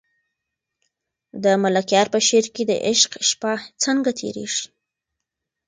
د ملکیار په شعر کې د عشق شپه څنګه تېرېږي؟